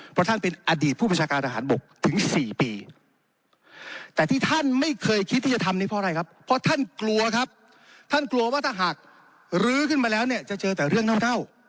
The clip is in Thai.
เพราะท่านเป็นอดีตผู้บัญชาการทะหารบุมาศก